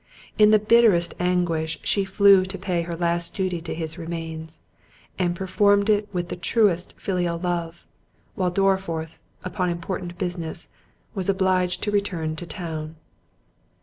In the bitterest anguish she flew to pay her last duty to his remains, and performed it with the truest filial love, while Dorriforth, upon important business, was obliged to return to town.